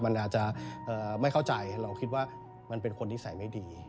มันอาจจะไม่เข้าใจเราคิดว่ามันเป็นคนนิสัยไม่ดี